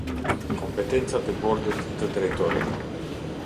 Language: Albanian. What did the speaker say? Kompetencat e bordit të drejtorëve.